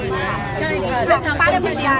เพราะฉะนั้นเนี่ยกลุ่มหัวเพลง